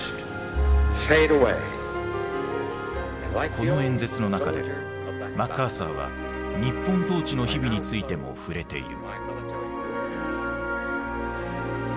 この演説の中でマッカーサーは日本統治の日々についても触れている。